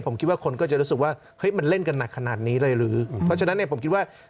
ผมก็จะรู้สึกว่ามันเล่นกันหนักขนาดนี้เลยรึเพราะฉะนั้นผมคิดว่า